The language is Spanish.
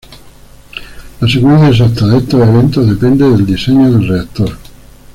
La secuencia exacta de estos eventos depende del diseño del reactor.